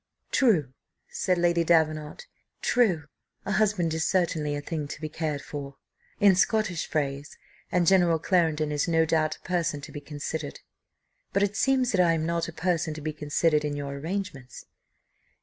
"True," said Lady Davenant "true; a husband is certainly a thing to be cared for in Scottish phrase, and General Clarendon is no doubt a person to be considered, but it seems that I am not a person to be considered in your arrangements."